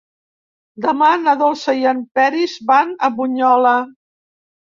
Demà na Dolça i en Peris van a Bunyola.